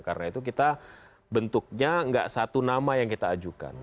karena itu kita bentuknya nggak satu nama yang kita ajukan